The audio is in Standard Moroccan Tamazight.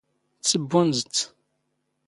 ⵜⵙⴱⴱⵓⵏⵣ ⵜⵜ.